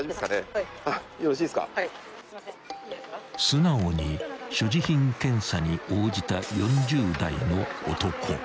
［素直に所持品検査に応じた４０代の男］